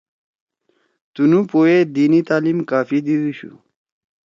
تنُو پو ئے دینی تعلیم کافی دیِدُوشُو